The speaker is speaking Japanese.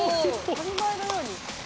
当たり前のように。